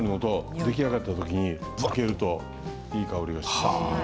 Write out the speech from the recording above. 出来上がった時に開けるといい香りを出します。